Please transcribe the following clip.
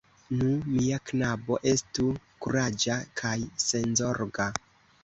Nu, mia knabo, estu kuraĝa kaj senzorga...